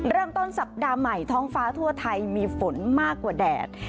เริ่มต้นสัปดาห์ใหม่ท้องฟ้าทั่วไทยมีฝนมากกว่าแดด